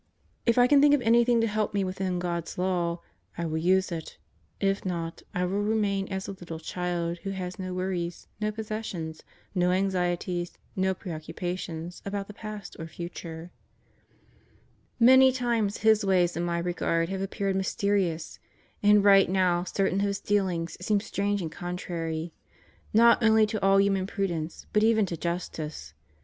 If I can think of anything to help me within God's law, I will use it; if not, I will remain as a little child who has no worries, no possessions, no anxieties, no preoccupations about the past or future* Many times His ways in my regard have appeared mysterious, and right now certain of His dealings seem strange and contrary, not only to all human prudence, but even to justice.